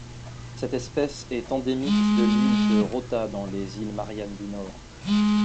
Cette espèce est endémique de l'île de Rota dans les îles Mariannes du Nord.